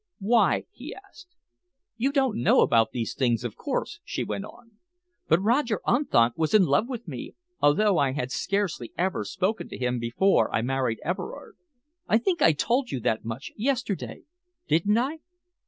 "Why?" he asked. "You don't know about these things, of course," she went on, "but Roger Unthank was in love with me, although I had scarcely ever spoken to him, before I married Everard. I think I told you that much yesterday, didn't I?